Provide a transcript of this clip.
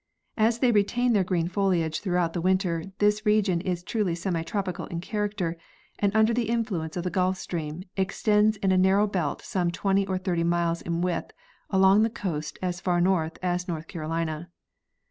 As they retain their green foliage throughout the winter, this region is truly semi _ tropical in character, and under the influence of the Gulf stream, extends in a narrow belt some 20 or 25 miles in width along the coast as far north as North Carolina.